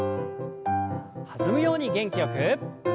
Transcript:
弾むように元気よく。